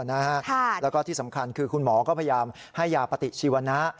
แล้วก็ที่สำคัญคือคุณหมอก็พยายามให้ยาปฏิชีวนะ